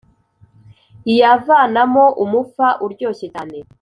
iyavanamo umufa uryoshye cyane